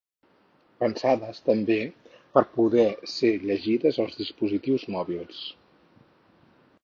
Pensades, també, per a poder ser llegides als dispositius mòbils.